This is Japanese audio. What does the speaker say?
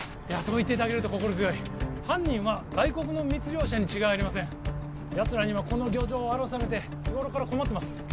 いやそう言っていただけると心強い犯人は外国の密漁者に違いありませんやつらにはこの漁場を荒らされて日頃から困ってます